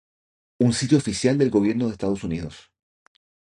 Un sitio oficial del Gobierno de Estados Unidos